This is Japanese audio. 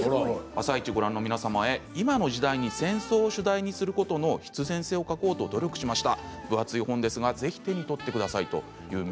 「あさイチ」をご覧の皆様で今の時代に戦争を主題にすることの必然性を書こうと努力しました。